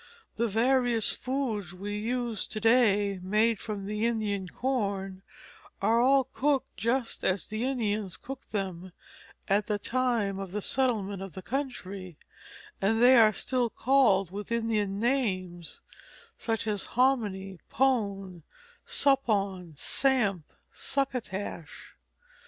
The various foods which we use to day made from Indian corn are all cooked just as the Indians cooked them at the time of the settlement of the country; and they are still called with Indian names, such as hominy, pone, suppawn, samp, succotash.